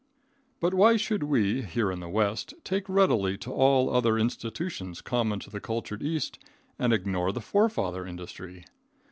But why should we, here in the West, take readily to all other institutions common to the cultured East and ignore the forefather industry?